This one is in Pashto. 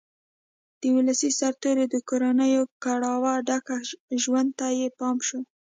د ولسي سرتېرو د کورنیو کړاوه ډک ژوند ته یې پام شو